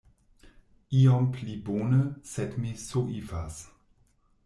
Iom pli bone, sed mi soifas.